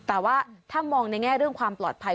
แต่ว่าถ้ามองในแง่เรื่องความปลอดภัย